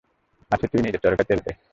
আছে, তুই নিজের চরকায় তেল দে।